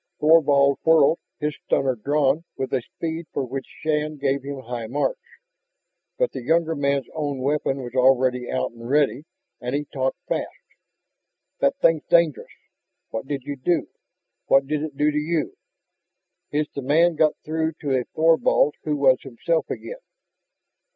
Thorvald whirled, his stunner drawn with a speed for which Shann gave him high marks. But the younger man's own weapon was already out and ready. And he talked fast. "That thing's dangerous! What did you do what did it do to you?" His demand got through to a Thorvald who was himself again.